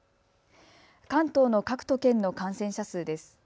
関東の各都県の感染者数です。